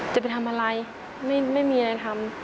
จะไปทำอะไรไม่มีอะไรทำ